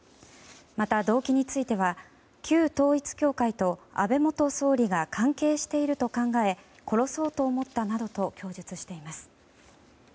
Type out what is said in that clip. また動機については旧統一教会と安倍元総理が関係していると考え殺そうと思ったなどと供述しています。